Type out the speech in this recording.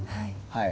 はい。